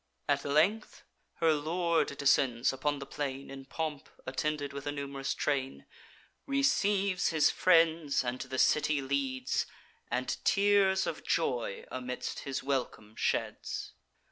"At length her lord descends upon the plain, In pomp, attended with a num'rous train; Receives his friends, and to the city leads, And tears of joy amidst his welcome sheds.